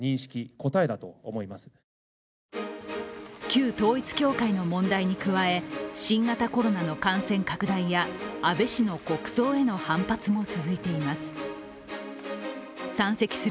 旧統一教会の問題に加え新型コロナの感染拡大や安倍氏の国葬への反発も続いています。